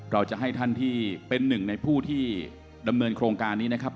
เราจะให้ท่านที่เป็นหนึ่งในผู้ที่ดำเนินโครงการนี้นะครับ